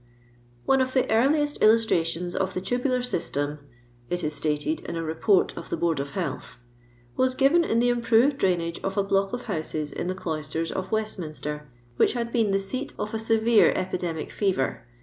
" One of the earliest illustrations of the tuliular system," it is stated in a Report of the B^«rd o: Health, " was given in the improved drainage oi s block of houses in the cloisters of \Vesiffi!fiiter. LONDOir LABOUR AND THE LONDON POOR. 897 which had been the teat of a MTere epidemic fever.